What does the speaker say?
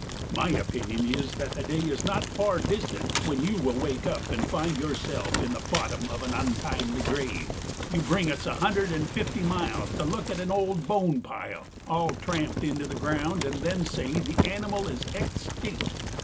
My opinion is that the day is not far distant when you will wake up and find yourself in the bottom of an untimely grave. "You bring us a hundred and fifty miles to look at an old bone pile all tramped into the ground and then say that the animal is extinck.